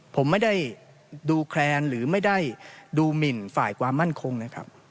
ผมไม่ได้ดูแคลนหรือไม่ได้ดูหมินฝ่ายความมั่นคงนะครับ